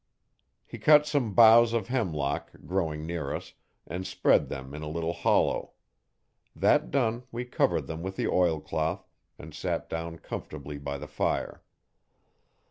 He cut some boughs of hemlock, growing near us, and spread them in a little hollow. That done, we covered them with the oilcloth, and sat down comfortably by the fire.